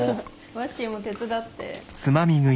ワッシーも手伝って。